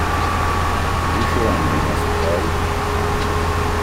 Riusciranno i nostri eroi?